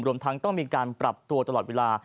รวมทั้งต้องมีการปรับตัวตลอดเวลา